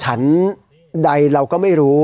ฉันใดเราก็ไม่รู้